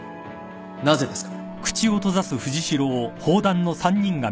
なぜですか。